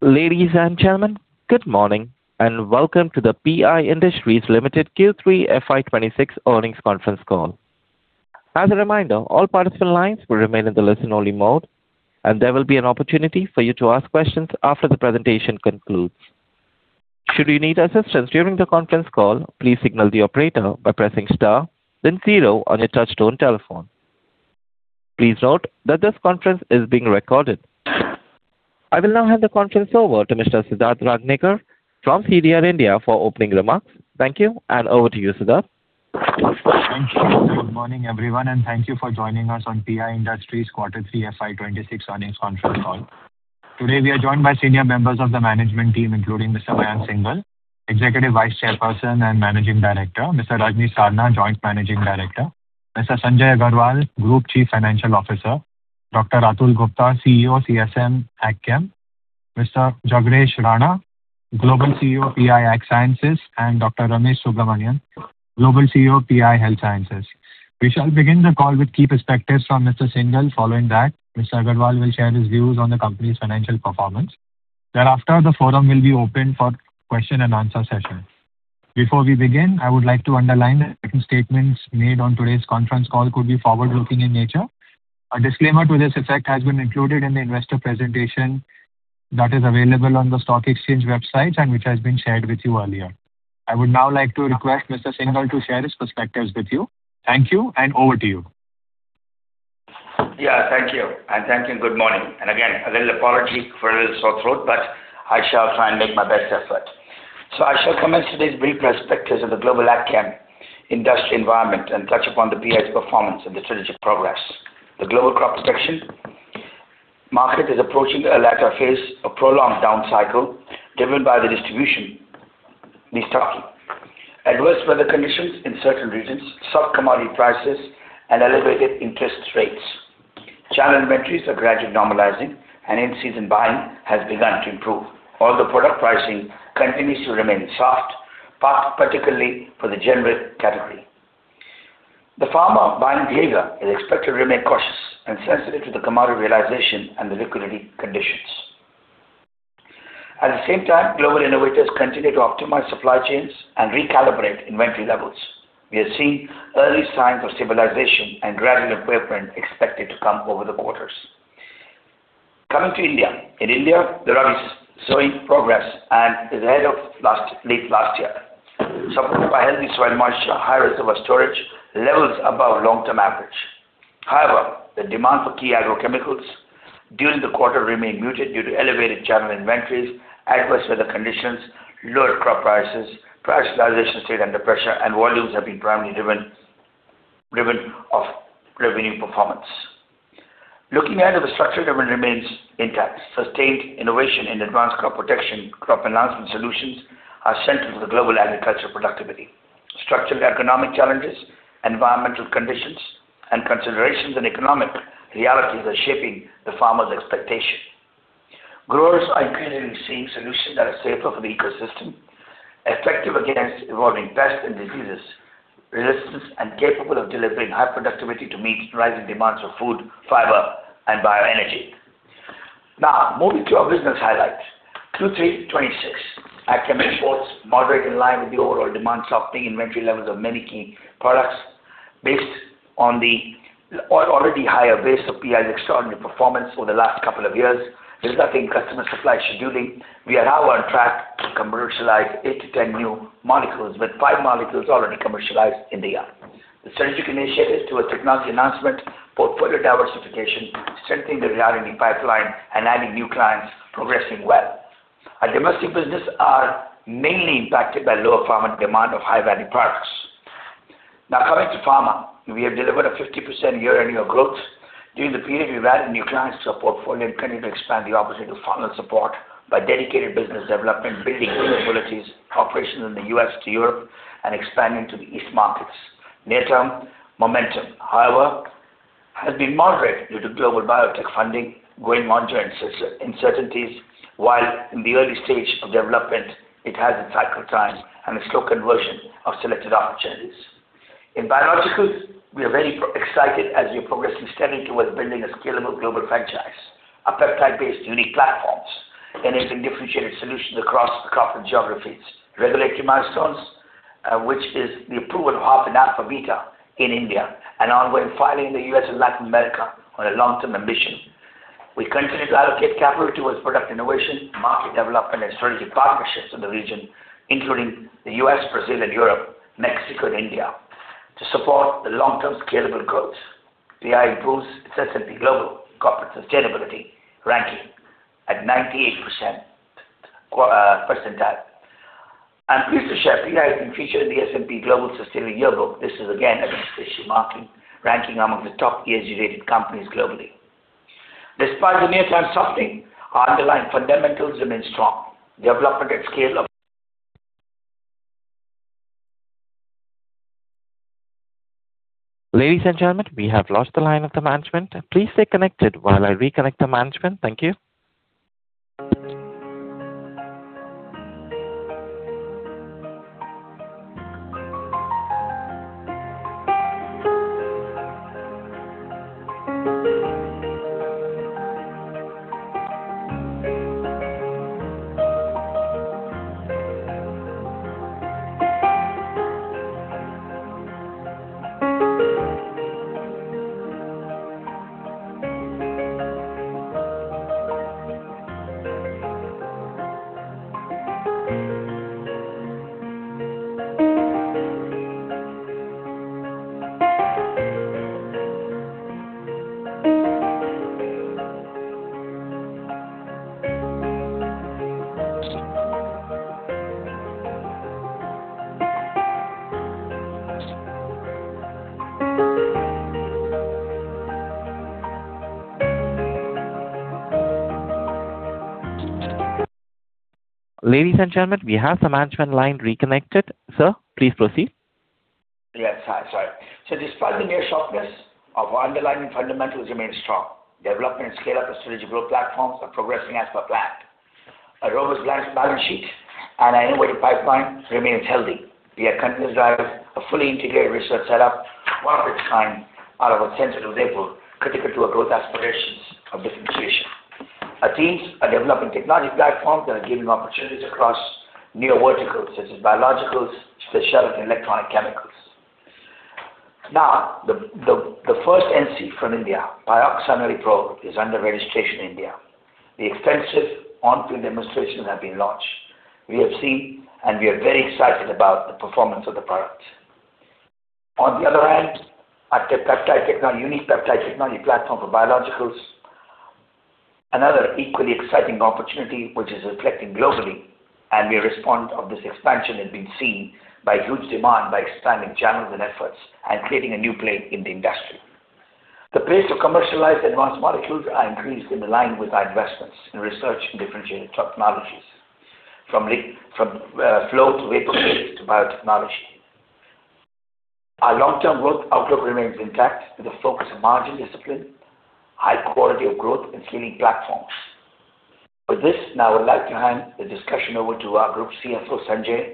Ladies and gentlemen, good morning, and welcome to the PI Industries Limited Q3 FY26 earnings conference call. As a reminder, all participant lines will remain in the listen-only mode, and there will be an opportunity for you to ask questions after the presentation concludes. Should you need assistance during the conference call, please signal the operator by pressing star then zero on your touchtone telephone. Please note that this conference is being recorded. I will now hand the conference over to Mr. Siddharth Rangnekar from CDR India for opening remarks. Thank you, and over to you, Siddharth. Thank you. Good morning, everyone, and thank you for joining us on PI Industries Quarter 3 FY26 earnings conference call. Today, we are joined by senior members of the management team, including Mr. Mayank Singhal, Executive Vice Chairperson and Managing Director, Mr. Rajnish Sarna, Joint Managing Director, Mr. Sanjay Agarwal, Group Chief Financial Officer, Dr. Atul Gupta, CEO, CSM AgChem, Mr. Jagresh Rana, Global CEO, PI AgSciences, and Dr. Ramesh Subramanian, Global CEO, PI Health Sciences. We shall begin the call with key perspectives from Mr. Singhal. Following that, Mr. Agarwal will share his views on the company's financial performance. Thereafter, the forum will be open for question and answer session. Before we begin, I would like to underline that any statements made on today's conference call could be forward-looking in nature. A disclaimer to this effect has been included in the investor presentation that is available on the stock exchange websites and which has been shared with you earlier. I would now like to request Mr. Singhal to share his perspectives with you. Thank you, and over to you. Yeah, thank you, and thank you, good morning. And again, a little apology for a little sore throat, but I shall try and make my best effort. So I shall commence today's brief perspectives of the global AgChem industry environment and touch upon the PI's performance and the strategic progress. The global crop protection market is approaching a latter phase of prolonged down cycle, driven by the distribution... restocking, adverse weather conditions in certain regions, soft commodity prices, and elevated interest rates. Channel inventories are gradually normalizing, and in-season buying has begun to improve, although product pricing continues to remain soft, particularly for the generic category. The farmer buying behavior is expected to remain cautious and sensitive to the commodity realization and the liquidity conditions. At the same time, global innovators continue to optimize supply chains and recalibrate inventory levels. We are seeing early signs of stabilization and gradual improvement expected to come over the quarters. Coming to India. In India, the rabi sowing progress is ahead of late last year, supported by healthy soil moisture, high reserve storage levels above long-term average. However, the demand for key agrochemicals during the quarter remained muted due to elevated channel inventories, adverse weather conditions, lower crop prices, price realization stayed under pressure, and volumes have been primarily driven of revenue performance. Looking ahead, the structural demand remains intact. Sustained innovation in advanced crop protection, crop enhancement solutions are central to the global agricultural productivity. Structural economic challenges, environmental conditions, and considerations and economic realities are shaping the farmers' expectation. Growers are increasingly seeking solutions that are safer for the ecosystem, effective against evolving pest and diseases, resistance, and capable of delivering high productivity to meet rising demands of food, fiber, and bioenergy. Now, moving to our business highlights. Q3 2026 AgChem reports moderate in line with the overall demand softening inventory levels of many key products. Based on the already higher base of PI's extraordinary performance over the last couple of years, disrupting customer supply scheduling, we are now on track to commercialize 8-10 new molecules, with 5 molecules already commercialized in the year. The strategic initiatives towards technology enhancement, portfolio diversification, strengthening the value in the pipeline and adding new clients progressing well. Our domestic business are mainly impacted by lower farmer demand of high-value products. Now, coming to pharma. We have delivered a 50% year-on-year growth. During the period, we've added new clients to our portfolio and continue to expand the opportunity to pharma support by dedicated business development, building new capabilities, operations in the U.S. to Europe, and expanding to the East markets. Near-term momentum, however, has been moderate due to global biotech funding, growing merger and acquisition uncertainties, while in the early stage of development, it has a cycle time and a slow conversion of selected opportunities. In biologicals, we are very excited as we progress steadily towards building a scalable global franchise, a peptide-based unique platforms, enabling differentiated solutions across the geographies. Regulatory milestones, which is the approval of Harpinαβ in India and ongoing filing in the U.S. and Latin America on a long-term ambition. We continue to allocate capital towards product innovation, market development, and strategic partnerships in the region, including the U.S., Brazil and Europe, Mexico, and India, to support the long-term scalable growth. PI improves its S&P Global Corporate Sustainability Ranking at 98% percentile. I'm pleased to share PI has been featured in the S&P Global Sustainability Yearbook. This is again a distinction marking, ranking among the top ESG-rated companies globally. Despite the near-term softening, our underlying fundamentals remain strong. Development at scale of... Ladies and gentlemen, we have lost the line of the management. Please stay connected while I reconnect the management. Thank you.... Ladies and gentlemen, we have the management line reconnected. Sir, please proceed. Yes, hi, sorry. So despite the near sharpness, our underlying fundamentals remain strong. Development and scale up of strategic growth platforms are progressing as per plan. A robust balance sheet and an innovative pipeline remains healthy. We are continuously driving a fully integrated research setup, one of its kind out of a central lab, critical to our growth aspirations of differentiation. Our teams are developing technology platforms that are giving opportunities across new verticals, such as biologicals, specialty, and electronic chemicals. Now, the first NCE from India, Pyroxasulfone, is under registration in India. The extensive on-field demonstrations have been launched. We have seen and we are very excited about the performance of the product. On the other hand, our peptide technology, unique peptide technology platform for biologicals, another equally exciting opportunity, which is reflecting globally and we respond of this expansion has been seen by huge demand, by expanding channels and efforts and creating a new play in the industry. The place to commercialize advanced molecules are increased in line with our investments in research and differentiated technologies, from flow to vapor phase to biotechnology. Our long-term growth outlook remains intact, with a focus on margin discipline, high quality of growth, and leading platforms. With this, now I would like to hand the discussion over to our group CFO, Sanjay.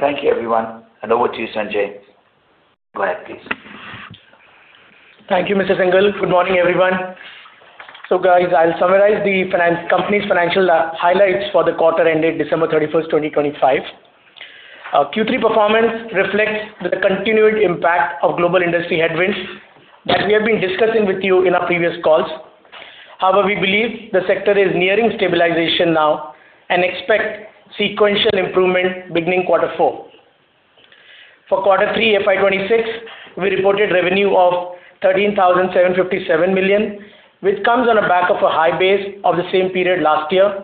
Thank you everyone, and over to you, Sanjay. Go ahead, please. Thank you, Mr. Singhal. Good morning, everyone. So guys, I'll summarize the finance... company's financial highlights for the quarter ended December 31, 2025. Our Q3 performance reflects the continued impact of global industry headwinds that we have been discussing with you in our previous calls. However, we believe the sector is nearing stabilization now and expect sequential improvement beginning quarter four. For quarter three, FY 2026, we reported revenue of 13,757 million, which comes on the back of a high base of the same period last year.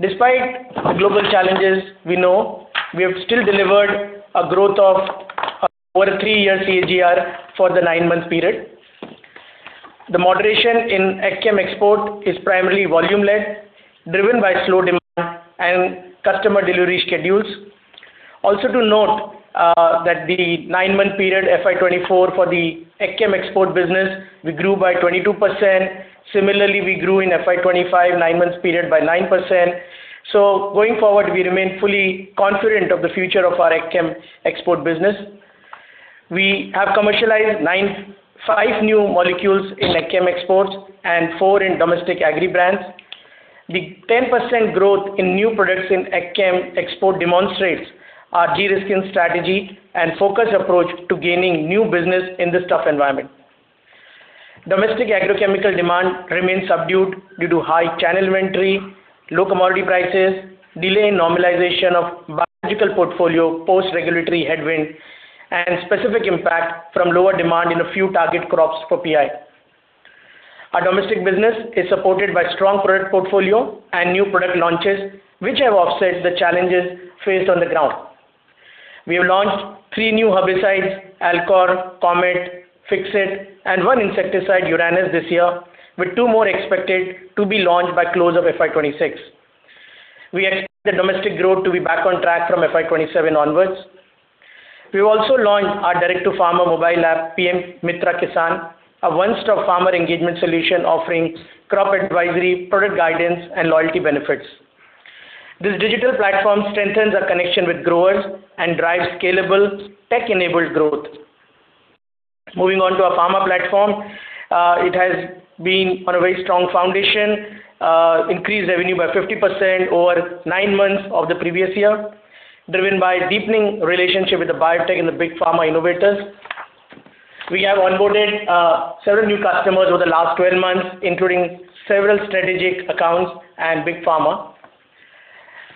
Despite global challenges, we know we have still delivered a growth of over a 3-year CAGR for the 9-month period. The moderation in AgChem export is primarily volume-led, driven by slow demand and customer delivery schedules. Also to note that the 9-month period, FY 2024, for the AgChem export business, we grew by 22%. Similarly, we grew in FY 2025, 9 months period, by 9%. So going forward, we remain fully confident of the future of our AgChem export business. We have commercialized 5 new molecules in AgChem exports and 4 in domestic agri brands. The 10% growth in new products in AgChem export demonstrates our de-risking strategy and focused approach to gaining new business in this tough environment. Domestic agrochemical demand remains subdued due to high channel inventory, low commodity prices, delay in normalization of biological portfolio, post-regulatory headwind, and specific impact from lower demand in a few target crops for PI. Our domestic business is supported by strong product portfolio and new product launches, which have offset the challenges faced on the ground. We have launched three new herbicides, Alcor, Comet, Fixit, and one insecticide, Uranus, this year, with two more expected to be launched by close of FY 2026. We expect the domestic growth to be back on track from FY 2027 onwards. We've also launched our direct-to-farmer mobile app, PI Mitra Kisan, a one-stop farmer engagement solution offering crop advisory, product guidance, and loyalty benefits. This digital platform strengthens our connection with growers and drives scalable, tech-enabled growth. Moving on to our pharma platform, it has been on a very strong foundation, increased revenue by 50% over nine months of the previous year, driven by deepening relationship with the biotech and the big pharma innovators. We have onboarded several new customers over the last 12 months, including several strategic accounts and big pharma.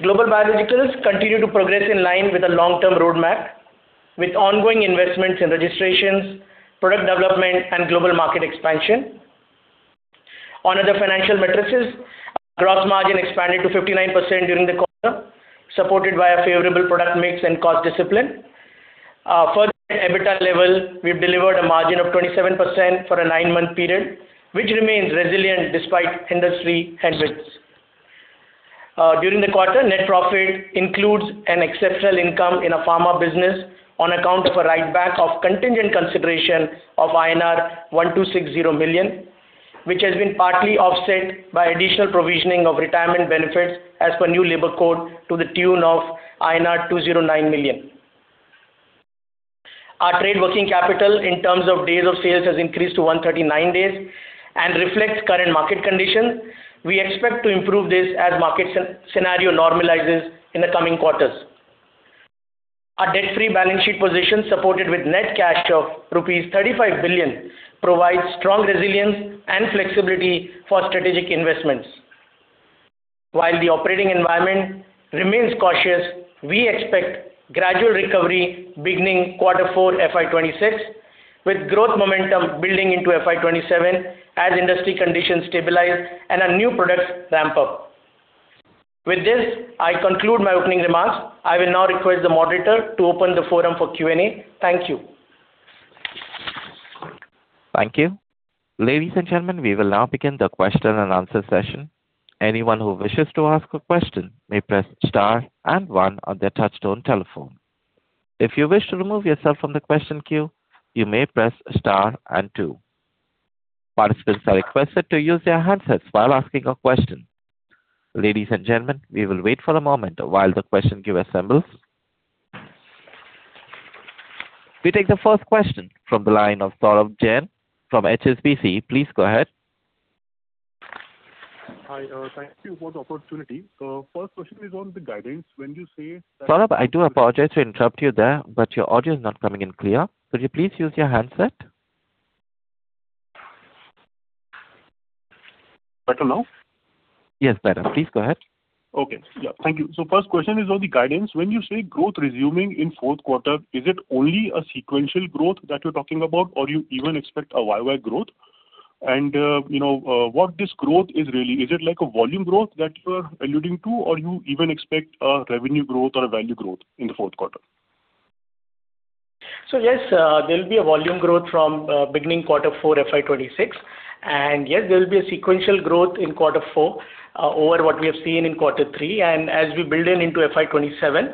Global biologicals continue to progress in line with the long-term roadmap, with ongoing investments in registrations, product development, and global market expansion. On other financial matrices, our gross margin expanded to 59% during the quarter, supported by a favorable product mix and cost discipline. Further, at EBITDA level, we've delivered a margin of 27% for a 9-month period, which remains resilient despite industry headwinds. During the quarter, net profit includes an exceptional income in our pharma business on account of a write-back of contingent consideration of INR 1,260 million, which has been partly offset by additional provisioning of retirement benefits as per new labor code, to the tune of INR 209 million. Our trade working capital in terms of days of sales has increased to 139 days and reflects current market conditions. We expect to improve this as market scenario normalizes in the coming quarters. Our debt-free balance sheet position, supported with net cash of rupees 35 billion, provides strong resilience and flexibility for strategic investments. While the operating environment remains cautious, we expect gradual recovery beginning quarter four FY 2026, with growth momentum building into FY 2027 as industry conditions stabilize and our new products ramp up. With this, I conclude my opening remarks. I will now request the moderator to open the forum for Q&A. Thank you. Thank you. Ladies and gentlemen, we will now begin the question and answer session. Anyone who wishes to ask a question may press star and one on their touchtone telephone. If you wish to remove yourself from the question queue, you may press star and two. Participants are requested to use their handsets while asking a question. Ladies and gentlemen, we will wait for a moment while the question queue assembles. We take the first question from the line of Saurabh Jain from HSBC. Please go ahead. Hi, thank you for the opportunity. First question is on the guidance. When you say that- Saurabh, I do apologize to interrupt you there, but your audio is not coming in clear. Could you please use your handset? Better now? Yes, better. Please go ahead. Okay. Yeah. Thank you. So first question is on the guidance. When you say growth resuming in fourth quarter, is it only a sequential growth that you're talking about, or you even expect a YoY growth? And, you know, what this growth is really? Is it like a volume growth that you are alluding to, or you even expect a revenue growth or a value growth in the fourth quarter? So yes, there will be a volume growth from, beginning quarter four, FY 2026. And yes, there will be a sequential growth in quarter four, over what we have seen in quarter three. And as we build in into FY 2027,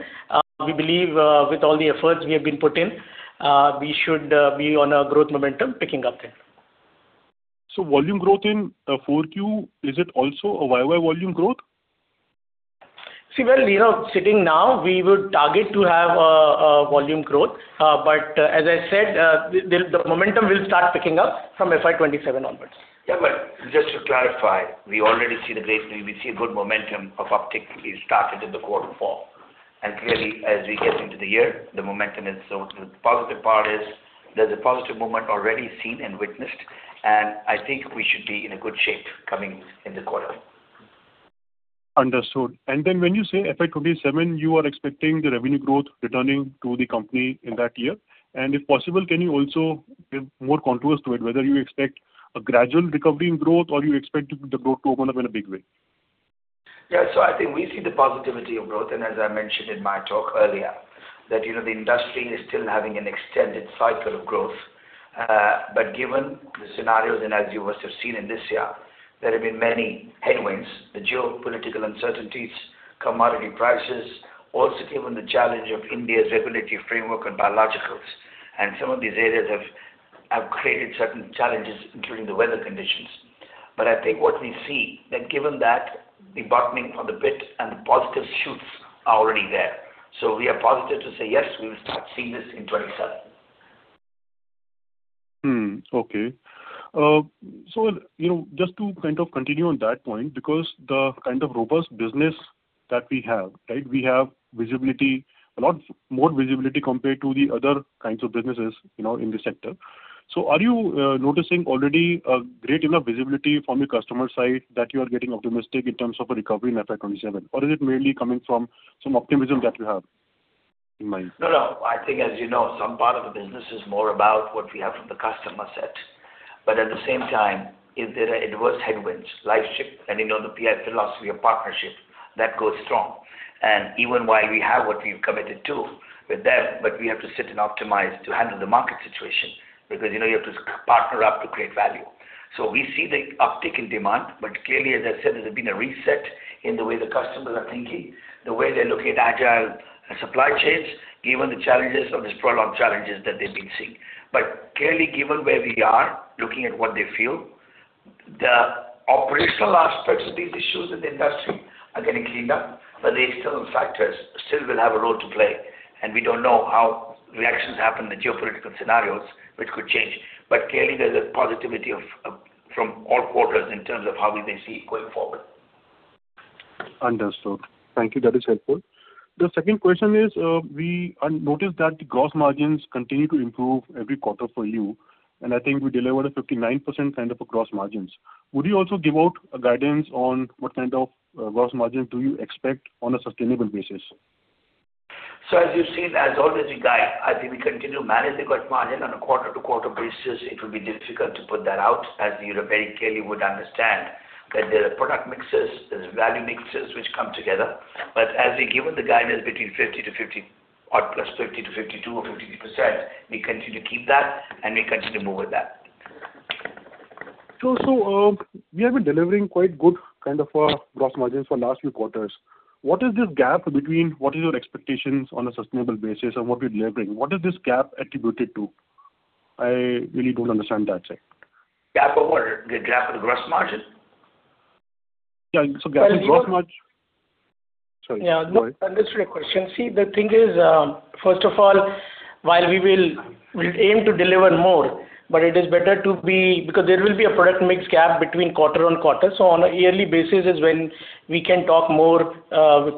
we believe, with all the efforts we have been put in, we should, be on a growth momentum picking up there. Volume growth in 4Q, is it also a YoY volume growth? See, well, you know, sitting now, we would target to have a volume growth. But as I said, the momentum will start picking up from FY 2027 onwards. Yeah, but just to clarify, we already see the baseline. We see a good momentum of uptick is started in the quarter four. And clearly, as we get into the year, the momentum is... So the positive part is, there's a positive moment already seen and witnessed, and I think we should be in a good shape coming in the quarter. Understood. And then when you say FY 2027, you are expecting the revenue growth returning to the company in that year? And if possible, can you also give more contours to it, whether you expect a gradual recovery in growth or you expect the growth to open up in a big way? Yeah. So I think we see the positivity of growth, and as I mentioned in my talk earlier, that, you know, the industry is still having an extended cycle of growth. But given the scenarios and as you must have seen in this year, there have been many headwinds, the geopolitical uncertainties, commodity prices, also given the challenge of India's regulatory framework on biologicals, and some of these areas have created certain challenges, including the weather conditions. But I think what we see, that given that, the bottoming for the bit and the positive shoots are already there. So we are positive to say, yes, we will start seeing this in 2027. Okay. So, you know, just to kind of continue on that point, because the kind of robust business that we have, right? We have visibility, a lot more visibility compared to the other kinds of businesses, you know, in the sector. So are you noticing already a great deal of visibility from the customer side that you are getting optimistic in terms of a recovery in FY 2027? Or is it mainly coming from some optimism that you have in mind? No, no. I think, as you know, some part of the business is more about what we have from the customer set. But at the same time, if there are adverse headwinds, life shift, and you know the PI philosophy of partnership, that goes strong. And even while we have what we've committed to with them, but we have to sit and optimize to handle the market situation, because, you know, you have to partner up to create value. So we see the uptick in demand, but clearly, as I said, there's been a reset in the way the customers are thinking, the way they're looking at agile supply chains, given the challenges or these prolonged challenges that they've been seeing. But clearly, given where we are, looking at what they feel, the operational aspects of these issues in the industry are getting cleaned up, but the external factors still will have a role to play. And we don't know how reactions happen, the geopolitical scenarios, which could change. But clearly, there's a positivity of, from all quarters in terms of how we may see it going forward. Understood. Thank you. That is helpful. The second question is, we noticed that the gross margins continue to improve every quarter for you, and I think we delivered a 59% kind of a gross margins. Would you also give out a guidance on what kind of, gross margin do you expect on a sustainable basis? So as you've seen, as always, we guide. I think we continue to manage the gross margin on a quarter-to-quarter basis. It will be difficult to put that out, as you very clearly would understand that there are product mixes, there's value mixes, which come together. But as we given the guidance between 50 to 50... odd plus 50 to 52 or 53%, we continue to keep that, and we continue to move with that. We have been delivering quite good kind of gross margins for last few quarters. What is this gap between what is your expectations on a sustainable basis and what we're delivering? What is this gap attributed to? I really don't understand that side. Gap of what? The gap of the gross margin? ... Yeah, so thank you so much. Sorry. Yeah, no, I understood your question. See, the thing is, first of all, while we will, we'll aim to deliver more, but it is better to be because there will be a product mix gap between quarter and quarter. So on a yearly basis is when we can talk more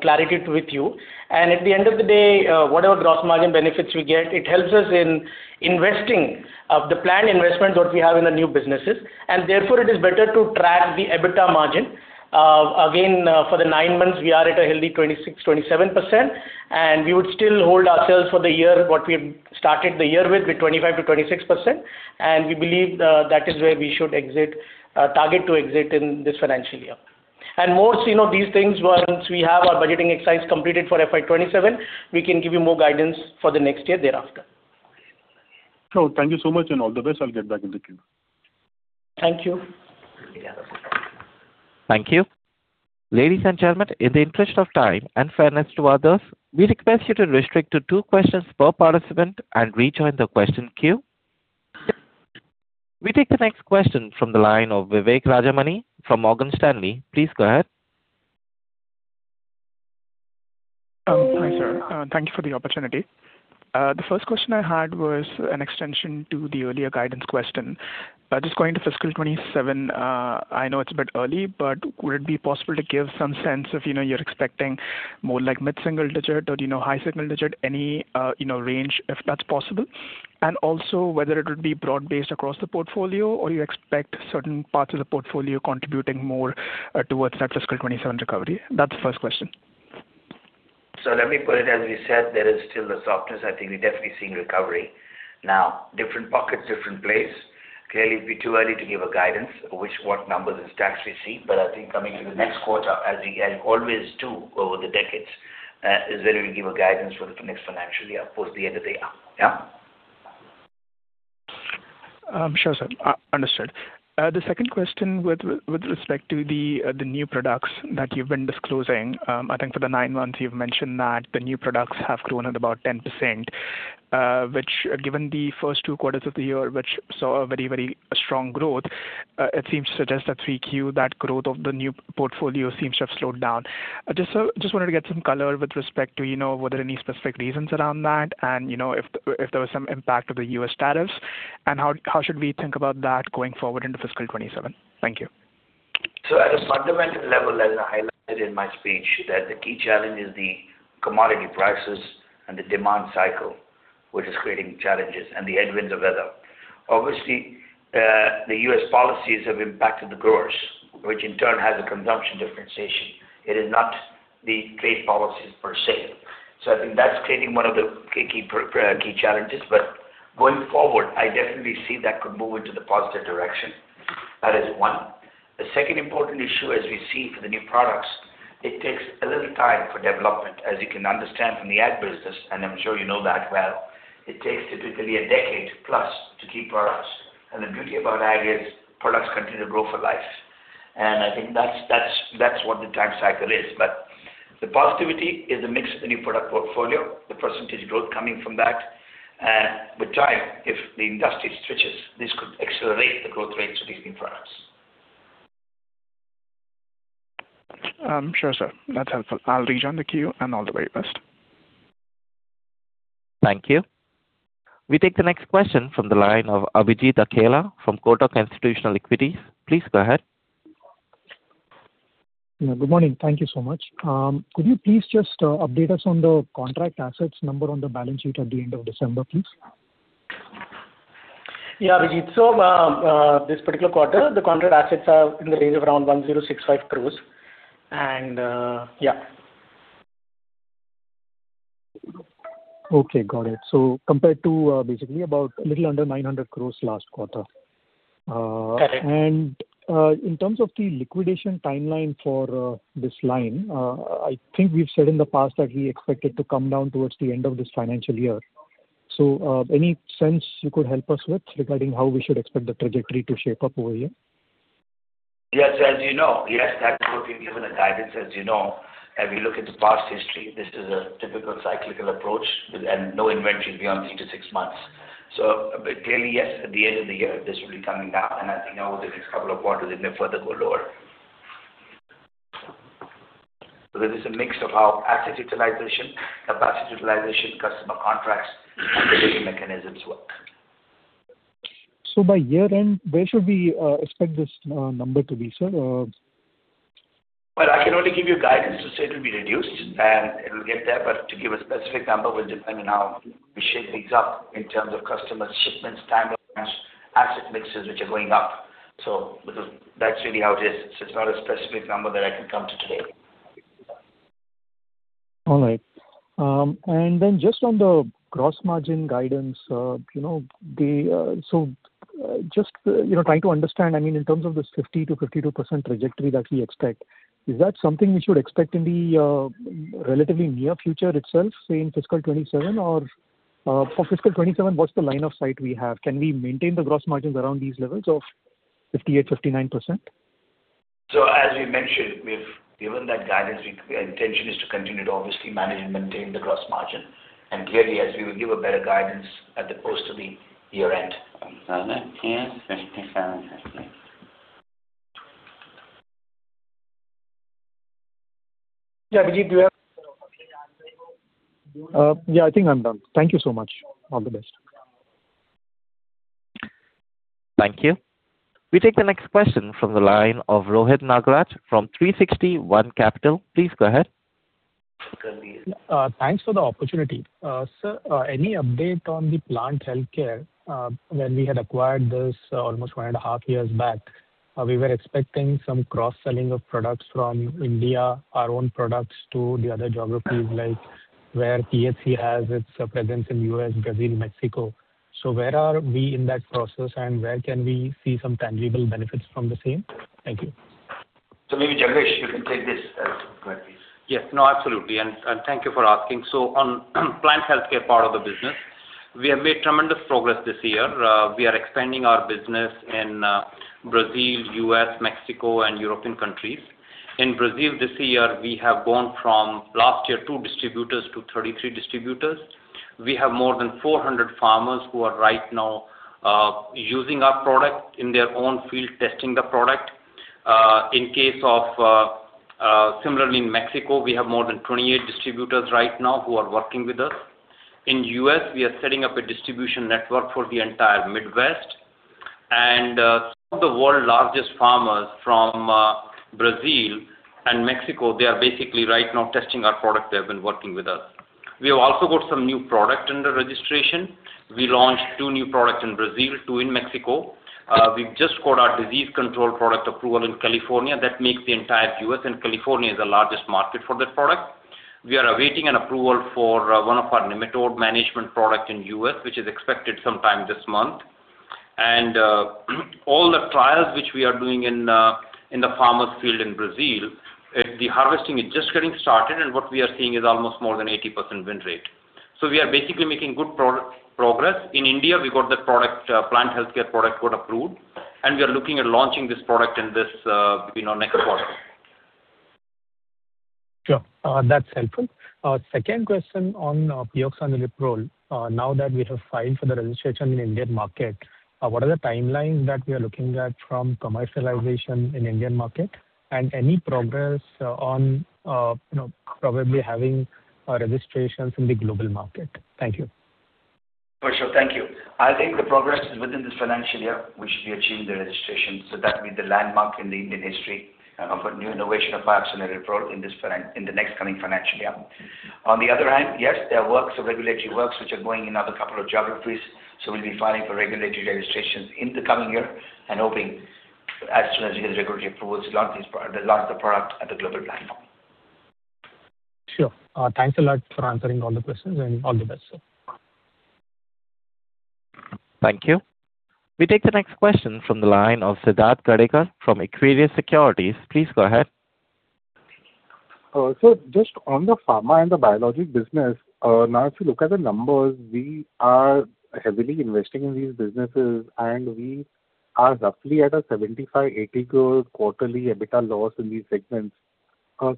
clarity with you. And at the end of the day, whatever gross margin benefits we get, it helps us in investing of the planned investment what we have in the new businesses, and therefore, it is better to track the EBITDA margin. Again, for the nine months, we are at a healthy 26%-27%, and we would still hold ourselves for the year, what we started the year with, with 25%-26%. And we believe that, that is where we should exit, target to exit in this financial year. And more so, you know, these things, once we have our budgeting exercise completed for FY 27, we can give you more guidance for the next year thereafter. Thank you so much, and all the best. I'll get back in the queue. Thank you. Thank you. Ladies and gentlemen, in the interest of time and fairness to others, we request you to restrict to two questions per participant and rejoin the question queue. We take the next question from the line of Vivek Rajamani from Morgan Stanley. Please go ahead. Hi, sir. Thank you for the opportunity. The first question I had was an extension to the earlier guidance question. Just going to fiscal 27, I know it's a bit early, but would it be possible to give some sense of, you know, you're expecting more like mid-single digit or, you know, high single digit, any, you know, range, if that's possible? And also whether it would be broad-based across the portfolio, or you expect certain parts of the portfolio contributing more, towards that fiscal 27 recovery? That's the first question. So let me put it, as we said, there is still the softness. I think we're definitely seeing recovery. Now, different pockets, different place. Clearly, it'd be too early to give a guidance, which, what numbers is to actually see. But I think coming to the next quarter, as we, as we always do over the decades, is where we give a guidance for the next financial year, towards the end of the year. Yeah? Sure, sir. Understood. The second question with respect to the new products that you've been disclosing. I think for the nine months, you've mentioned that the new products have grown at about 10%, which given the first two quarters of the year, which saw a very, very strong growth, it seems to suggest that 3Q, that growth of the new portfolio seems to have slowed down. I just wanted to get some color with respect to, you know, were there any specific reasons around that? And, you know, if there was some impact of the U.S. tariffs, and how should we think about that going forward into fiscal 2027? Thank you. So at a fundamental level, as I highlighted in my speech, that the key challenge is the commodity prices and the demand cycle, which is creating challenges and the headwinds of weather. Obviously, the U.S. policies have impacted the growers, which in turn has a consumption differentiation. It is not the trade policies per se. So I think that's creating one of the key, key, key challenges. But going forward, I definitely see that could move into the positive direction. That is one. The second important issue, as we see for the new products, it takes a little time for development, as you can understand from the ag business, and I'm sure you know that well. It takes typically a decade plus to key products. And the beauty about ag is products continue to grow for life. And I think that's, that's, that's what the time cycle is. But the positivity is the mix of the new product portfolio, the percentage growth coming from that. With time, if the industry switches, this could accelerate the growth rates of these new products. Sure, sir. That's helpful. I'll rejoin the queue, and all the very best. Thank you. We take the next question from the line of Abhijit Akella from Kotak Institutional Equities. Please go ahead. Yeah, good morning. Thank you so much. Could you please just update us on the contract assets number on the balance sheet at the end of December, please? Yeah, Abhijit. So, this particular quarter, the contract assets are in the range of around 1,065 crores. And, yeah. Okay, got it. So compared to, basically about a little under 900 crore last quarter. Correct. And, in terms of the liquidation timeline for this line, I think we've said in the past that we expect it to come down towards the end of this financial year. So, any sense you could help us with regarding how we should expect the trajectory to shape up over here? Yes, as you know, yes, that's what we've given a guidance. As you know, as we look at the past history, this is a typical cyclical approach, with and no inventions beyond three to six months. So but clearly, yes, at the end of the year, this will be coming down, and I think over the next couple of quarters, it may further go lower. So there is a mix of how asset utilization, capacity utilization, customer contracts, and the mechanisms work. By year-end, where should we expect this number to be, sir? Well, I can only give you guidance to say it will be reduced, and it will get there, but to give a specific number will depend on how we shape things up in terms of customer shipments, timelines, asset mixes, which are going up. So because that's really how it is. It's not a specific number that I can come to today. All right. And then just on the gross margin guidance, you know, just, you know, trying to understand, I mean, in terms of this 50%-52% trajectory that we expect, is that something we should expect in the relatively near future itself, say, in fiscal 2027, or, for fiscal 2027, what's the line of sight we have? Can we maintain the gross margins around these levels of 58%-59%? So as we mentioned, given that guidance, we, our intention is to continue to obviously manage and maintain the gross margin. And clearly, as we will give a better guidance at the close of the year-end.... Abhijit, do you have? Yeah, I think I'm done. Thank you so much. All the best. Thank you. We take the next question from the line of Rohit Nagraj from 360 ONE Capital. Please go ahead. Thanks for the opportunity. Sir, any update on the Plant Health Care? When we had acquired this almost 1.5 years back, we were expecting some cross-selling of products from India, our own products, to the other geographies, like where PHC has its presence in U.S., Brazil, Mexico. So where are we in that process, and where can we see some tangible benefits from the same? Thank you. Maybe, Jagresh, you can take this. Go ahead, please. Yes. No, absolutely, and, and thank you for asking. So on Plant Health Care part of the business, we have made tremendous progress this year. We are expanding our business in Brazil, U.S., Mexico, and European countries. In Brazil, this year, we have gone from last year, 2 distributors to 33 distributors. We have more than 400 farmers who are right now using our product in their own field, testing the product. In case of similarly, in Mexico, we have more than 28 distributors right now who are working with us. In U.S., we are setting up a distribution network for the entire Midwest. And some of the world's largest farmers from Brazil and Mexico, they are basically right now testing our product. They have been working with us. We have also got some new product under registration. We launched two new products in Brazil, two in Mexico. We've just got our disease control product approval in California. That makes the entire U.S., and California is the largest market for that product. We are awaiting an approval for one of our nematode management product in U.S., which is expected sometime this month. And all the trials which we are doing in the farmers' field in Brazil, the harvesting is just getting started, and what we are seeing is almost more than 80% win rate. So we are basically making good progress. In India, we got the product, Plant Health Care product got approved, and we are looking at launching this product in this, you know, next quarter. Sure. That's helpful. Second question on Pyroxasulfone. Now that we have filed for the registration in Indian market, what are the timelines that we are looking at from commercialization in Indian market? And any progress on, you know, probably having registrations in the global market? Thank you. For sure. Thank you. I think the progress is within this financial year. We should be achieving the registration. So that will be the landmark in the Indian history for new innovation of Pyroxasulfone in the next coming financial year. On the other hand, yes, there are works of regulatory works which are going in another couple of geographies, so we'll be filing for regulatory registrations in the coming year. Hoping as soon as we get regulatory approvals, launch this product, launch the product at a global platform. Sure. Thanks a lot for answering all the questions, and all the best, sir. Thank you. We take the next question from the line of Siddharth Gadekar from Equirus Securities. Please go ahead. So just on the pharma and the biologic business, now, if you look at the numbers, we are heavily investing in these businesses, and we are roughly at a 75-80 crore quarterly EBITDA loss in these segments.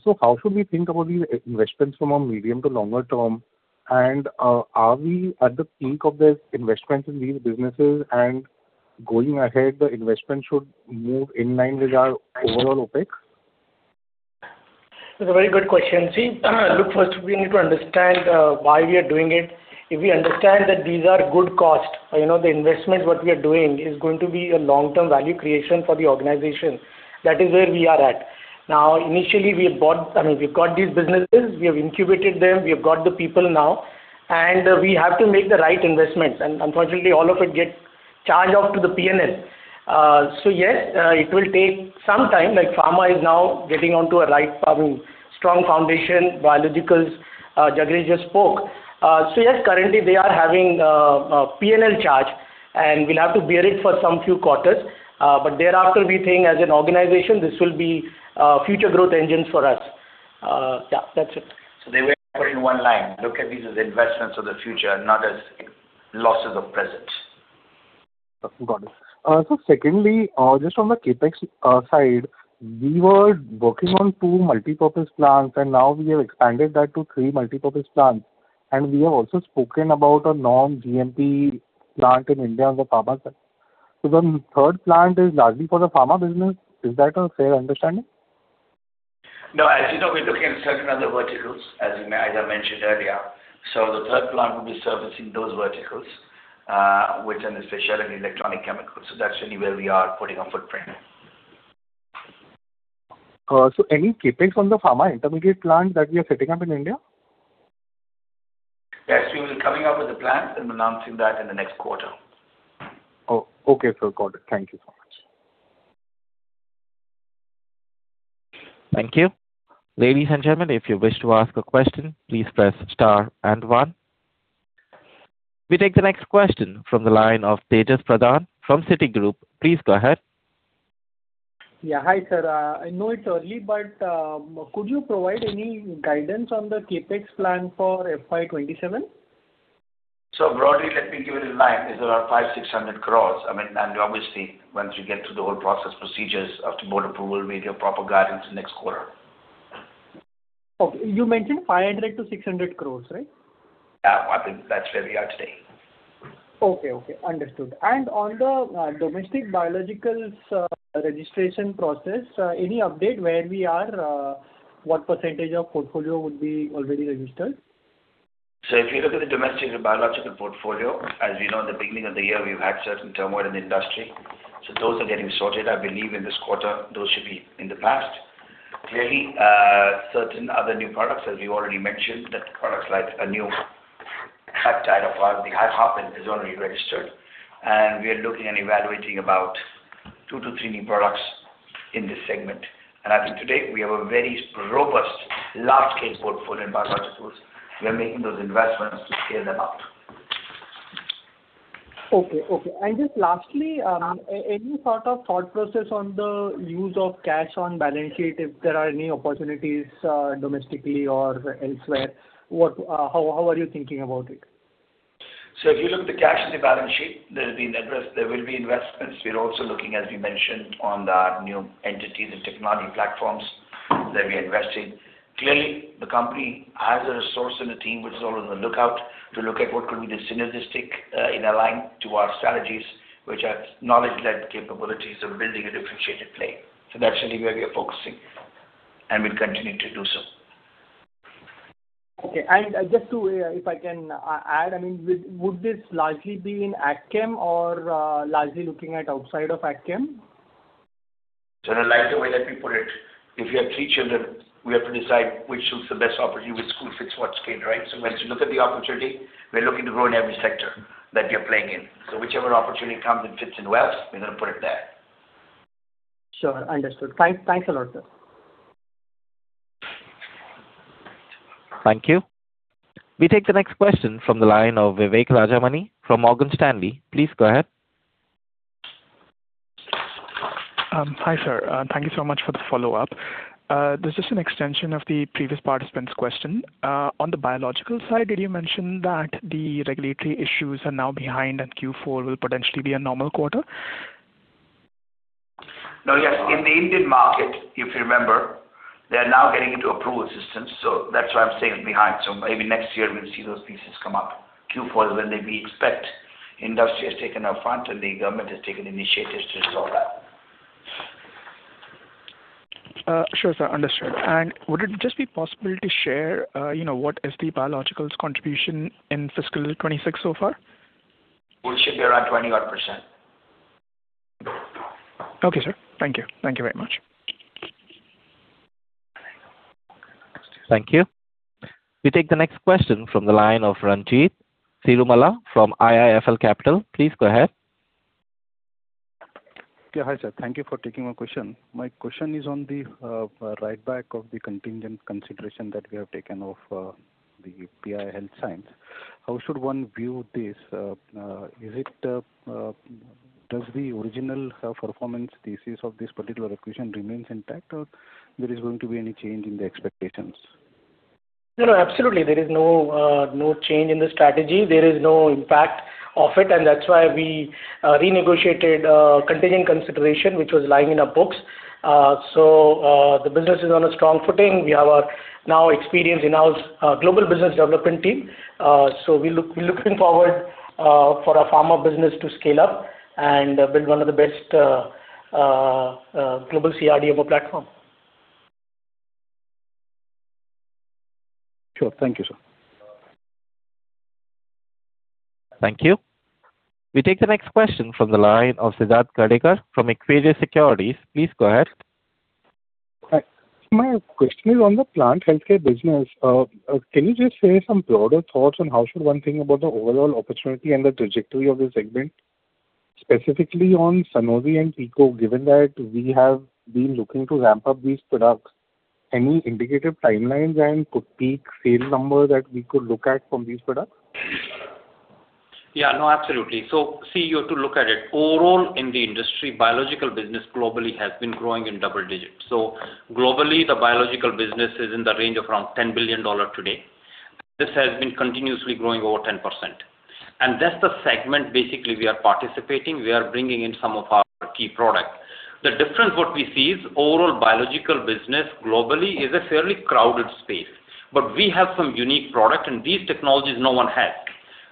So how should we think about these investments from a medium to longer term? And, are we at the peak of the investments in these businesses, and going ahead, the investment should move in line with our overall OpEx? That's a very good question. See, look, first, we need to understand why we are doing it. If we understand that these are good costs, you know, the investment, what we are doing is going to be a long-term value creation for the organization. That is where we are at. Now, initially, we bought... I mean, we've got these businesses, we have incubated them, we have got the people now, and we have to make the right investments, and unfortunately, all of it get charged off to the P&L. So yes, it will take some time, like pharma is now getting onto a right, I mean, strong foundation, biologicals, Jagresh just spoke. So yes, currently they are having a P&L charge, and we'll have to bear it for some few quarters. But thereafter, we think as an organization, this will be future growth engines for us. Yeah, that's it. They were in one line. Look at these as investments of the future, not as losses of present. Got it. So secondly, just on the CapEx side, we were working on two multipurpose plants, and now we have expanded that to three multipurpose plants. We have also spoken about a non-GMP plant in India on the pharma side. The third plant is largely for the pharma business. Is that a fair understanding? No, as you know, we're looking at certain other verticals, as I mentioned earlier. So the third plant will be servicing those verticals, which are especially in electronic chemicals. So that's really where we are putting our footprint in. Any CapEx on the pharma intermediate plant that we are setting up in India? Yes, we will be coming up with the plans and announcing that in the next quarter. Oh, okay, sir. Got it. Thank you so much. Thank you. Ladies and gentlemen, if you wish to ask a question, please press star and one. We take the next question from the line of Tejas Pradhan from Citigroup. Please go ahead. Yeah. Hi, sir. I know it's early, but could you provide any guidance on the CapEx plan for FY 27?... So broadly, let me give it in mind, is around 500 crore-600 crore. I mean, and obviously, once you get through the whole process procedures after board approval, we have proper guidance next quarter. Okay. You mentioned 500 crore-600 crore, right? Yeah, I think that's where we are today. Okay, okay. Understood. And on the domestic biologicals registration process, any update where we are? What percentage of portfolio would be already registered? So if you look at the domestic biological portfolio, as you know, in the beginning of the year, we've had certain turmoil in the industry, so those are getting sorted. I believe in this quarter, those should be in the past. Clearly, certain other new products, as we already mentioned, that products like a new peptide product, the Harpinαβ, is already registered. And we are looking and evaluating about 2-3 new products in this segment. And I think today we have a very robust, large-scale portfolio in biologicals. We are making those investments to scale them up. Okay, okay. And just lastly, any sort of thought process on the use of cash on balance sheet, if there are any opportunities, domestically or elsewhere, what, how are you thinking about it? So if you look at the cash in the balance sheet, there will be investments. We're also looking, as we mentioned, on the new entities and technology platforms that we invest in. Clearly, the company has a resource and a team which is all on the lookout to look at what could be the synergistic in line with our strategies, which are knowledge-led capabilities of building a differentiated play. So that's something where we are focusing, and we'll continue to do so. Okay. And just to, if I can add, I mean, would this largely be in AgChem or largely looking at outside of AgChem? I like the way that we put it. If you have three children, we have to decide which suits the best opportunity, which school fits what skill, right? Once you look at the opportunity, we're looking to grow in every sector that we are playing in. Whichever opportunity comes and fits in well, we're going to put it there. Sure. Understood. Thanks a lot, sir. Thank you. We take the next question from the line of Vivek Rajamani from Morgan Stanley. Please go ahead. Hi, sir. Thank you so much for the follow-up. This is an extension of the previous participant's question. On the biological side, did you mention that the regulatory issues are now behind, and Q4 will potentially be a normal quarter? Now, yes, in the Indian market, if you remember, they are now getting into approval systems, so that's why I'm saying behind. So maybe next year we'll see those pieces come up. Q4 is when they, we expect. Industry has taken up front, and the government has taken initiatives to resolve that. Sure, sir. Understood. Would it just be possible to share, you know, what is the biologicals contribution in fiscal 2026 so far? We should be around 20 odd %. Okay, sir. Thank you. Thank you very much. Thank you. We take the next question from the line of Ranjit Cirumalla from IIFL Capital. Please go ahead. Yeah. Hi, sir. Thank you for taking my question. My question is on the write back of the contingent consideration that we have taken of the PI Health Sciences. How should one view this? Is it does the original performance thesis of this particular acquisition remains intact, or there is going to be any change in the expectations? No, no, absolutely. There is no no change in the strategy. There is no impact of it, and that's why we renegotiated contingent consideration, which was lying in our books. So, the business is on a strong footing. We have a now experienced in-house global business development team. So we're looking forward for our pharma business to scale up and build one of the best global CRDMO platform. Sure. Thank you, sir. Thank you. We take the next question from the line of Siddharth Gadekar from Equirus Securities. Please go ahead. Hi. My question is on the Plant Health Care business. Can you just share some broader thoughts on how should one think about the overall opportunity and the trajectory of this segment? Specifically on Saori and Teikko, given that we have been looking to ramp up these products, any indicative timelines and to peak sales numbers that we could look at from these products? Yeah, no, absolutely. So see, you have to look at it. Overall, in the industry, biological business globally has been growing in double digits. So globally, the biological business is in the range of around $10 billion today. This has been continuously growing over 10%. And that's the segment basically we are participating. We are bringing in some of our key products. The difference, what we see, is overall biological business globally is a fairly crowded space, but we have some unique product, and these technologies, no one has.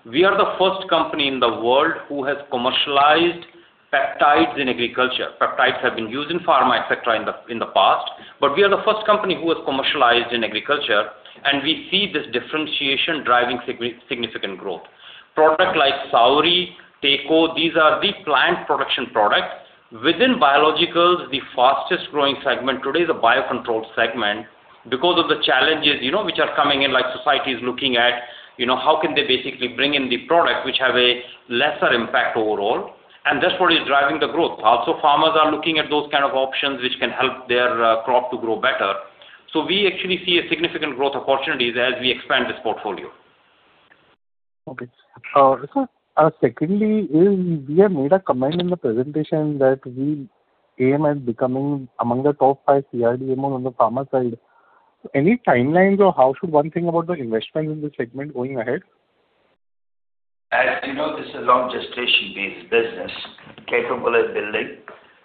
We are the first company in the world who has commercialized peptides in agriculture. Peptides have been used in pharma, et cetera, in the, in the past, but we are the first company who has commercialized in agriculture, and we see this differentiation driving significant growth. Products like Saori, Teikko, these are the plant production products. Within biologicals, the fastest growing segment today is a biocontrol segment because of the challenges, you know, which are coming in, like society is looking at, you know, how can they basically bring in the products which have a lesser impact overall? And that's what is driving the growth. Also, farmers are looking at those kind of options which can help their crop to grow better. So we actually see a significant growth opportunities as we expand this portfolio. Okay. Sir, secondly, we have made a comment in the presentation that we aim at becoming among the top five CRDMO on the pharma side.... Any timelines or how should one think about the investment in this segment going ahead? As you know, this is a long gestation-based business, capable of building.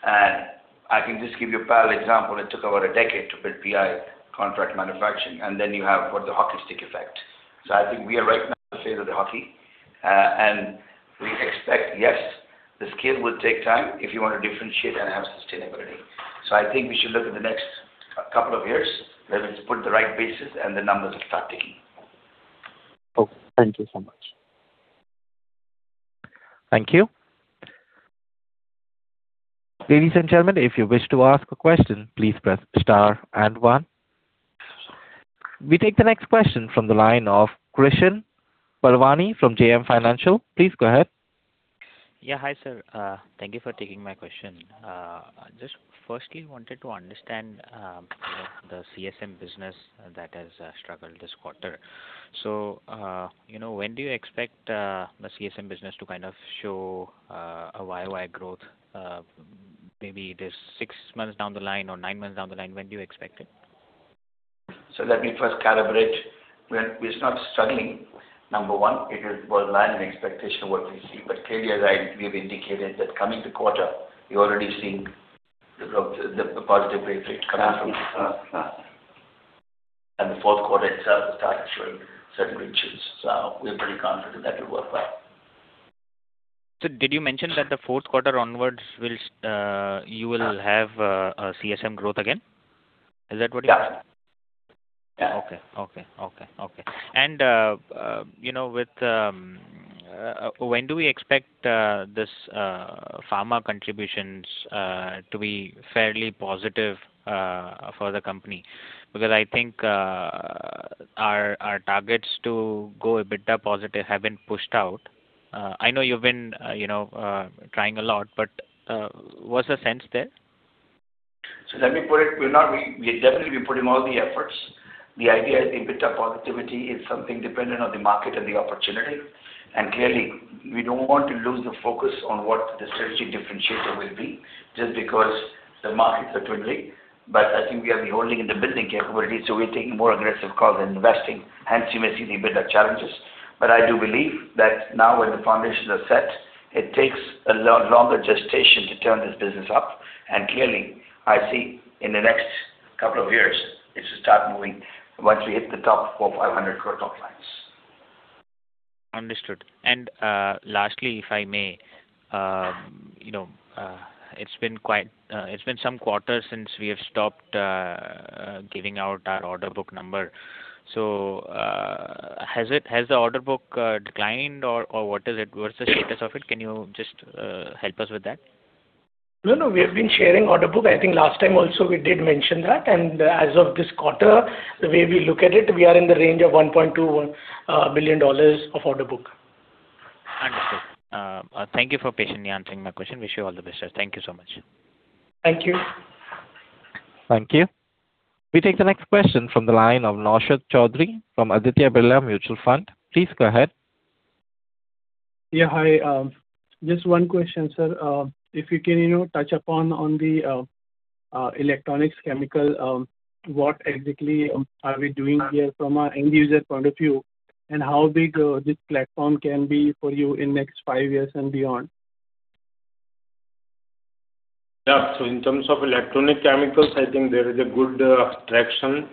I can just give you a parallel example, it took about a decade to build BI contract manufacturing, and then you have what? The hockey stick effect. I think we are right now in the phase of the hockey. We expect, yes, the scale will take time if you want to differentiate and have sustainability. I think we should look at the next couple of years, let's put the right basis and the numbers will start ticking. Okay, thank you so much. Thank you. Ladies and gentlemen, if you wish to ask a question, please press star and one. We take the next question from the line of Krishan Parwani from JM Financial. Please go ahead. Yeah. Hi, sir. Thank you for taking my question. Just firstly, wanted to understand, the CSM business that has struggled this quarter. So, you know, when do you expect the CSM business to kind of show a YoY growth? Maybe this six months down the line or nine months down the line, when do you expect it? So let me first calibrate. We're not struggling, number one. It is well in line and expectation of what we see. But clearly, as we've indicated that coming to quarter, we're already seeing the positive rate coming from. And the fourth quarter itself will start showing certain riches. So we're pretty confident that will work well. So did you mention that the fourth quarter onwards will, you will have, a CSM growth again? Is that what you- Yeah. Okay, okay, okay, okay. And, you know, with, when do we expect, this, pharma contributions, to be fairly positive, for the company? Because I think, our, our targets to go a bit up positive have been pushed out. I know you've been, you know, trying a lot, but, what's the sense there? So let me put it, we're definitely putting all the efforts. The idea is the better positivity is something dependent on the market and the opportunity, and clearly, we don't want to lose the focus on what the strategic differentiator will be, just because the markets are twiddling. But I think we are the only in the building capability, so we're taking more aggressive calls and investing, hence you may see the better challenges. But I do believe that now that the foundations are set, it takes a longer gestation to turn this business up. And clearly, I see in the next couple of years, it should start moving once we hit the top 450 crore top lines. Understood. And lastly, if I may, you know, it's been some quarters since we have stopped giving out our order book number. So, has the order book declined or what is it? What's the status of it? Can you just help us with that? No, no, we have been sharing order book. I think last time also we did mention that, and as of this quarter, the way we look at it, we are in the range of $1.2 billion of order book. Understood. Thank you for patiently answering my question. Wish you all the best, sir. Thank you so much. Thank you. Thank you. We take the next question from the line of Naushad Chaudhary from Aditya Birla Mutual Fund. Please go ahead. Yeah, hi. Just one question, sir. If you can, you know, touch upon on the electronic chemicals, what exactly are we doing here from an end user point of view? And how big this platform can be for you in next five years and beyond? Yeah. So in terms of electronic chemicals, I think there is a good traction.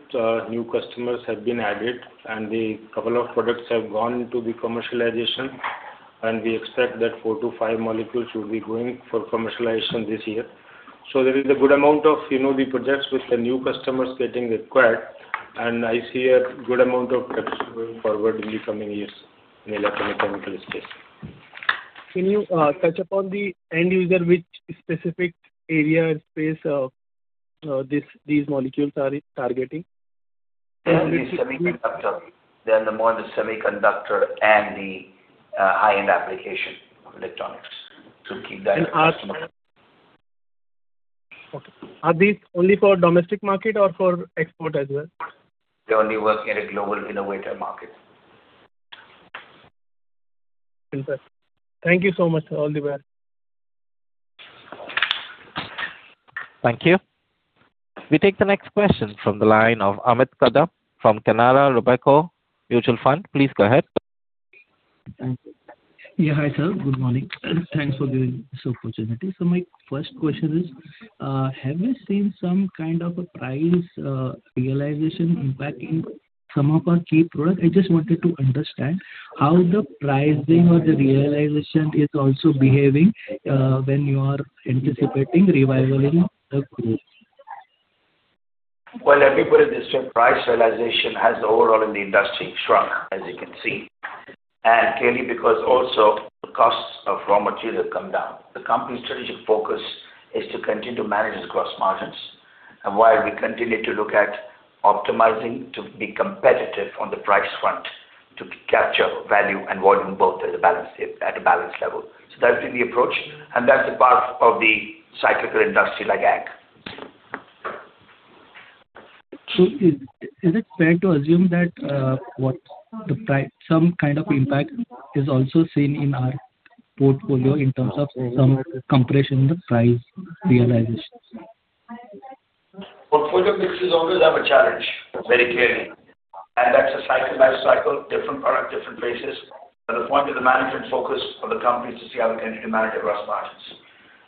New customers have been added, and the couple of products have gone to the commercialization, and we expect that 4-5 molecules should be going for commercialization this year. So there is a good amount of, you know, the projects with the new customers getting required, and I see a good amount of progress going forward in the coming years in electronic chemical space. Can you touch upon the end user, which specific area and space, these molecules are targeting? They are the semiconductor. They are the more the semiconductor and the, high-end application of electronics. So keep that in mind. Okay. Are these only for domestic market or for export as well? They're only working in a global innovator market. Thank you so much, sir. All the best. Thank you. We take the next question from the line of Amit Kadam from Canara Robeco Mutual Fund. Please go ahead. Thank you. Yeah, hi, sir. Good morning, and thanks for giving this opportunity. So my first question is, have you seen some kind of a price realization impact in some of our key products? I just wanted to understand how the pricing or the realization is also behaving, when you are anticipating revival in the group. Well, let me put it this way. Price realization has overall in the industry shrunk, as you can see, and clearly because also the costs of raw material have come down. The company's strategic focus is to continue to manage its gross margins, and while we continue to look at optimizing to be competitive on the price front, to capture value and volume both at a balance, at a balance level. So that's been the approach, and that's the path of the cyclical industry like ag. So is it fair to assume that some kind of impact is also seen in our portfolio in terms of some compression in the price realizations? Portfolio mixes always have a challenge, very clearly, and that's a cycle, life cycle, different product, different places. But the point of the management focus for the company is to see how we can manage the gross margins.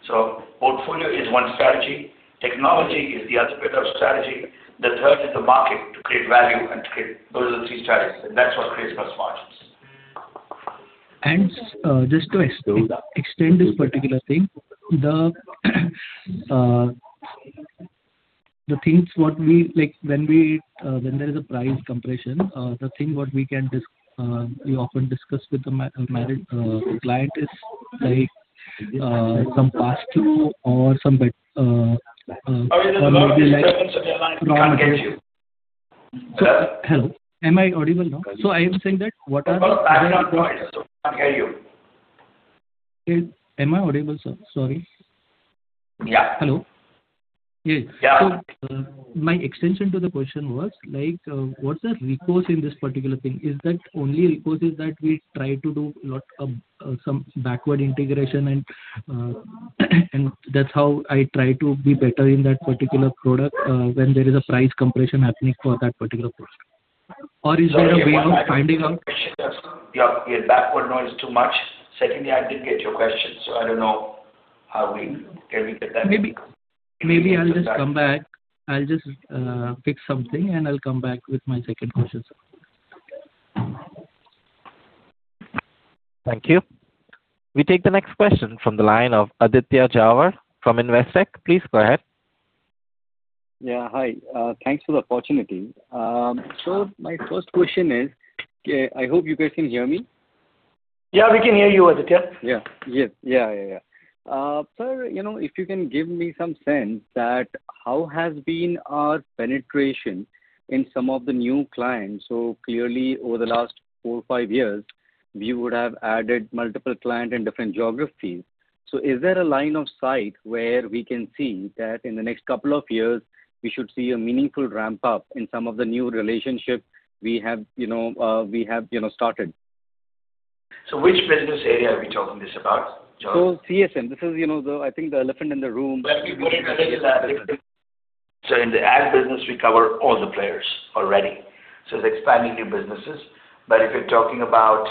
So portfolio is one strategy. Technology is the other better strategy. The third is the market to create value and to create those are the three strategies, and that's what creates gross margins. And, just to extend this particular thing, the things what we like when there is a price compression, the thing what we can, we often discuss with the management client, is like, some past due or some bad debt, maybe like- I can't get you. Sir? Hello. Am I audible now? So I am saying that what are- I'm not, so I can't hear you. Am I audible, sir? Sorry. Yeah. Hello. Yes. Yeah. So, my extension to the question was, like, what's the recourse in this particular thing? Is that only recourse is that we try to do lot of, some backward integration and, and that's how I try to be better in that particular product, when there is a price compression happening for that particular product? Or is there a way of finding out- Yeah, your background noise is too much. Secondly, I didn't get your question, so I don't know how we... Can we get that? Maybe, maybe I'll just come back. I'll just fix something, and I'll come back with my second question, sir. Thank you. We take the next question from the line of Aditya Jhawar from Investec. Please go ahead. Yeah, hi. Thanks for the opportunity. So my first question is, I hope you guys can hear me? Yeah, we can hear you, Aditya. Yeah. Yes. Yeah, yeah, yeah. Sir, you know, if you can give me some sense that how has been our penetration in some of the new clients? So clearly, over the last 4, 5 years, we would have added multiple client in different geographies. So is there a line of sight where we can see that in the next couple of years, we should see a meaningful ramp-up in some of the new relationships we have, you know, we have, you know, started? Which business area are we talking this about, Jhawar? So, CSM, this is, you know, the, I think, the elephant in the room. Let me put it this way. So in the ag business, we cover all the players already, so it's expanding new businesses. But if you're talking about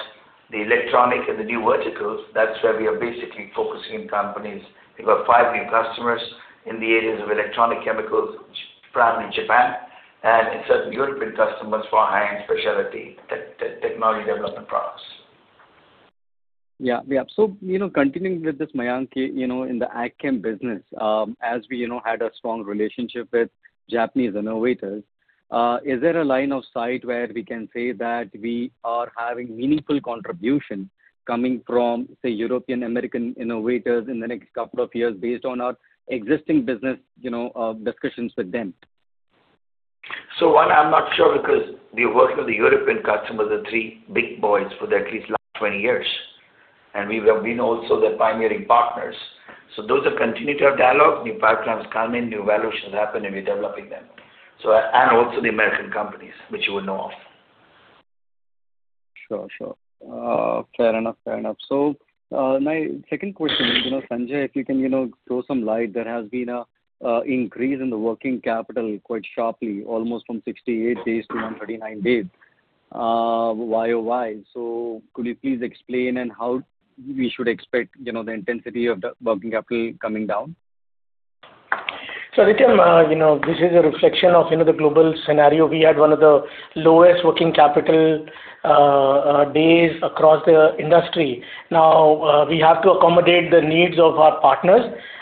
the electronic and the new verticals, that's where we are basically focusing in companies. We've got five new customers in the areas of electronic chemicals, primarily in Japan, and in certain European customers for high-end specialty technology development products. Yeah, yeah. So, you know, continuing with this, Mayank, you know, in the AgChem business, as we, you know, had a strong relationship with Japanese innovators, is there a line of sight where we can say that we are having meaningful contribution coming from, say, European, American innovators in the next couple of years based on our existing business, you know, discussions with them? So one, I'm not sure because we're working with the European customers, the three big boys, for at least last 20 years. And we were, we know also their pioneering partners. So those have continued to have dialogue. New pipelines come in, new valuations happen, and we're developing them. So, and also the American companies, which you would know of. Sure, sure. Fair enough. Fair enough. So, my second question is, you know, Sanjay, if you can, you know, throw some light. There has been an increase in the working capital quite sharply, almost from 68 days to 139 days. YoY? So could you please explain and how we should expect, you know, the intensity of the working capital coming down? So Aditya, you know, this is a reflection of, you know, the global scenario. We had one of the lowest working capital days across the industry. Now, we have to accommodate the needs of our partners,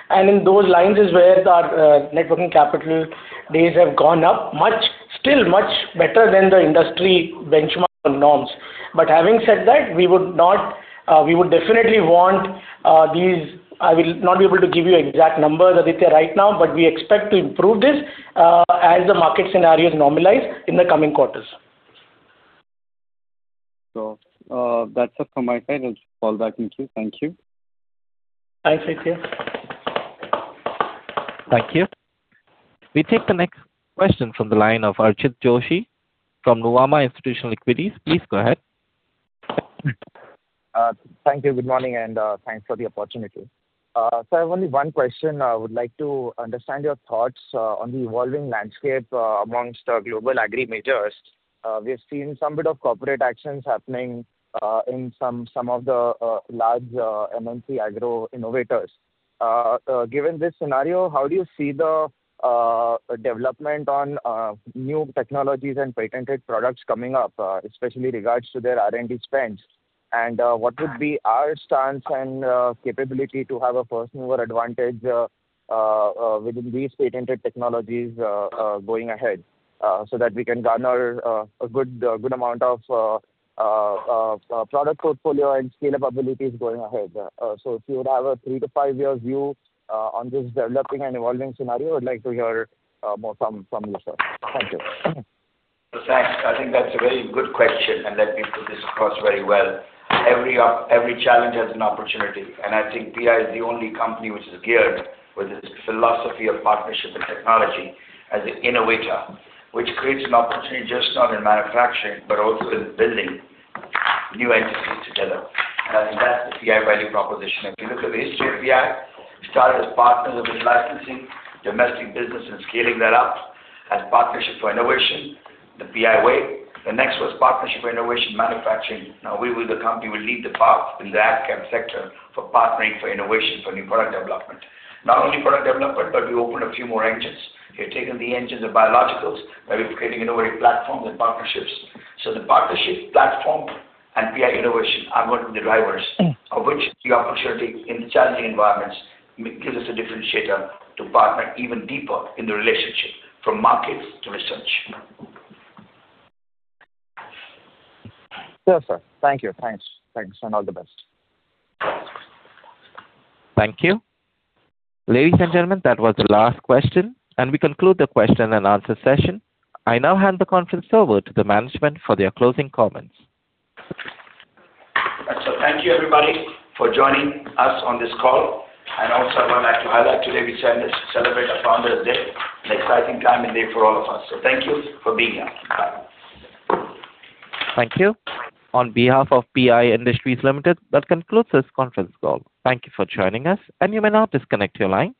and in those lines is where our net working capital days have gone up much, still much better than the industry benchmark norms. But having said that, we would not... We would definitely want these-- I will not be able to give you exact numbers, Aditya, right now, but we expect to improve this as the market scenarios normalize in the coming quarters. So, that's it from my side. I'll fall back with you. Thank you. Bye, Aditya. Thank you. We take the next question from the line of Archit Joshi from Nuvama Institutional Equities. Please go ahead. Thank you. Good morning, and thanks for the opportunity. So I have only one question. I would like to understand your thoughts on the evolving landscape among our global agri majors. We have seen some bit of corporate actions happening in some of the large MNC agro innovators. Given this scenario, how do you see the development on new technologies and patented products coming up, especially in regards to their R&D spends? What would be our stance and capability to have a first-mover advantage within these patented technologies going ahead, so that we can garner a good amount of product portfolio and scale-up abilities going ahead? If you would have a 3-5-year view on this developing and evolving scenario, I would like to hear more from you, sir. Thank you. So thanks. I think that's a very good question, and let me put this across very well. Every challenge has an opportunity, and I think PI is the only company which is geared with its philosophy of partnership and technology as an innovator, which creates an opportunity just not in manufacturing, but also in building new entities together. And I think that's the PI value proposition. If you look at the history of PI, we started as partners with licensing, domestic business, and scaling that up as partnerships for innovation, the PI way. The next was partnership innovation manufacturing. Now, we as a company will lead the path in the AgChem sector for partnering for innovation, for new product development. Not only product development, but we opened a few more engines. We have taken the engines of biologicals, where we're creating innovative platforms and partnerships. The partnership, platform, and PI innovation are going to be the drivers- Mm. of which the opportunity in the challenging environments gives us a differentiator to partner even deeper in the relationship, from markets to research. Sure, sir. Thank you. Thanks. Thanks, and all the best. Thank you. Ladies and gentlemen, that was the last question, and we conclude the question and answer session. I now hand the conference over to the management for their closing comments. Thank you, everybody, for joining us on this call. I would like to highlight today, we celebrate our Founder's Day, an exciting time and day for all of us. Thank you for being here. Bye. Thank you. On behalf of PI Industries Limited, that concludes this conference call. Thank you for joining us, and you may now disconnect your line.